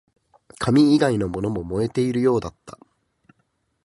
紙以外のものも燃えているようだった